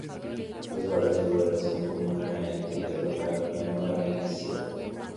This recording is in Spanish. Los barrios rurales conforman la entidad local menor de Itziar.